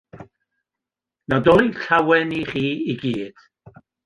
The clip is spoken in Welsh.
Nadolig Llawen i chi i gyd.